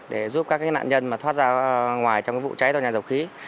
để giúp các nạn nhân thoát ra ngoài trong vụ cháy tòa nhà dầu khí